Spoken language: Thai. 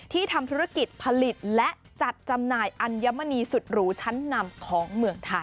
ทำธุรกิจผลิตและจัดจำหน่ายอัญมณีสุดหรูชั้นนำของเมืองไทย